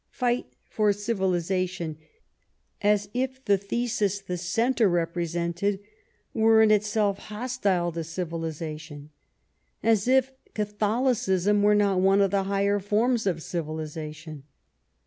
" Fight for Civilization "; as if the thesis the Centre represented were in itself hostile to civilization ; as if Catholicism were not one of the higher forms of civilization.